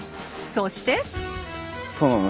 そして！